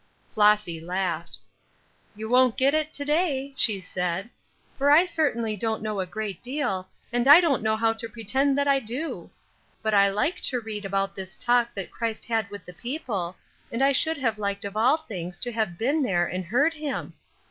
Flossy laughed. "You won't get it to day," she said, "for I certainly don't know a great deal, and I don't know how to pretend that I do. But I like to read about this talk that Christ had with the people; and I should have liked of all things to have been there and heard him.